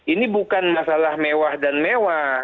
ini bukan masalah mewah dan mewah